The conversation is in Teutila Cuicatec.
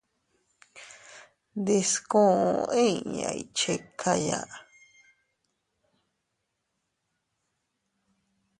Ndiskuu inña iychikaya.